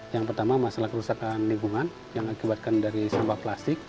yang pertama masalah kerusakan lingkungan yang akibatkan dari sampah plastik